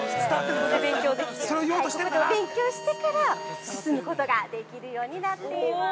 ここでお勉強してから進むことができるようになっています。